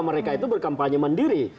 mereka itu berkampanye mendiri